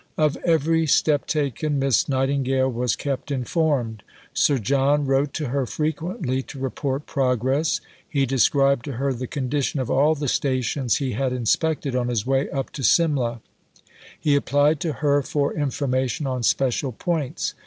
Of every step taken, Miss Nightingale was kept informed. Sir John wrote to her frequently to report progress; he described to her the condition of all the Stations he had inspected on his way up to Simla; he applied to her for information on special points.